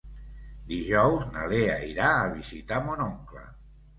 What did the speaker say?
Dijous na Lea irà a visitar mon oncle.